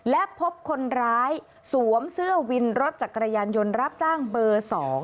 และพบคนร้ายสวมเสื้อวินรถจักรยานยนต์รับจ้างเบอร์๒